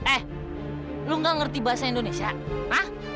eh lu ga ngerti bahasa indonesia hah